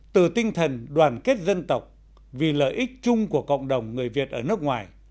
từ tinh thần đoàn kết dân tộc vì lợi ích chung của cộng đồng người việt ở nước ngoài